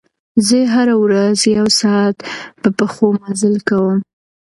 زه هره ورځ یو ساعت په پښو مزل کوم.